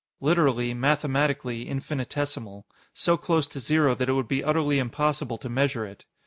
Literally, mathematically, infinitesimal so close to zero that it would be utterly impossible to measure it.